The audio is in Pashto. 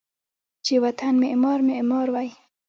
چې و طن معمار ، معمار وی